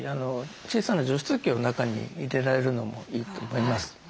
小さな除湿機を中に入れられるのもいいと思います。